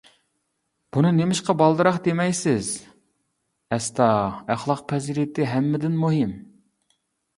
-بۇنى نېمىشقا بالدۇرراق دېمەيسىز؟ -ئەستا، ئەخلاق پەزىلىتى ھەممىدىن مۇھىم.